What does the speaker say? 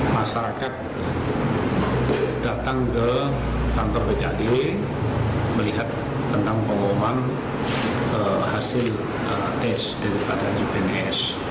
masyarakat datang ke kantor bkd melihat tentang pengumuman hasil tes dari bnes